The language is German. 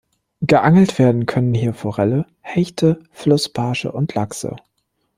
Geangelt werden können hier Forellen, Hechte, Flussbarsche und Lachse.